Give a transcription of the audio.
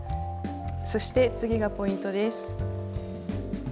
そして次がポイントです。